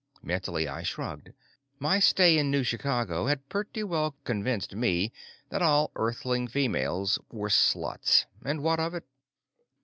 Mentally, I shrugged. My stay in New Chicago had pretty well convinced me that all Earthling females were sluts. And what of it?